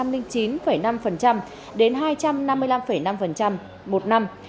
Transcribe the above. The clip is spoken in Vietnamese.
đến hai trăm năm mươi năm năm một năm